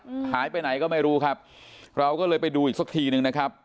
อืมหายไปไหนก็ไม่รู้ครับเราก็เลยไปดูอีกสักทีหนึ่งนะครับ